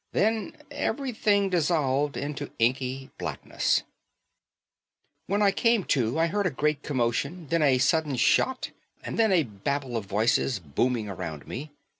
Then everything dissolved into inky blackness.... When I came to, I heard a great commotion, then a sudden shot and then a babble of voices booming around me.